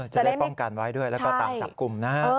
จะได้ป้องกันไว้ด้วยแล้วก็ตามจับกลุ่มนะฮะ